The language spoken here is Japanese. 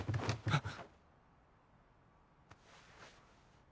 あっ！